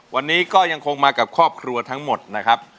วันนี้ก็ยังคงมากับครอบครัวทั้งหมดนะครับ